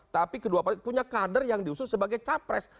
tapi kedua partai punya kader yang diusung sebagai capres